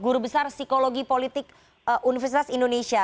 guru besar psikologi politik universitas indonesia